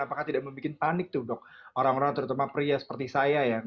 apakah tidak membuat panik orang orang terutama pria seperti saya